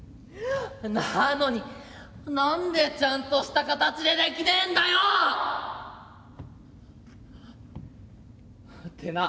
なのに何でちゃんとした形でできねえんだよ！ってな。